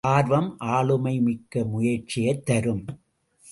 ஆர்வம், ஆளுமை மிக்க முயற்சியைத் தரும்.